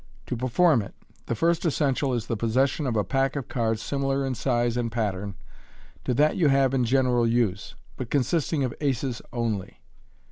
To perform it, the first essential is the possession of a pack of cards similar in size and pattern to that you have in general use, but consisting of aces only.